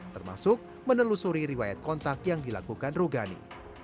termasuk menelusuri riwayat kontak yang dilakukan rugani